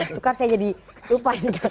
tukar saya jadi lupa